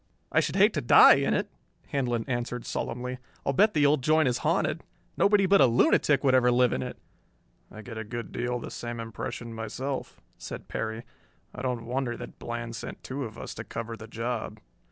"I should hate to die in it," Handlon answered solemnly. "I'll bet the old joint is haunted. Nobody but a lunatic would ever live in it." "I get a good deal the same impression myself," said Perry. "I don't wonder that Bland sent two of us to cover the job."